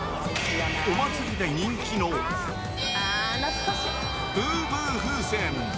お祭りで人気のブーブー風船。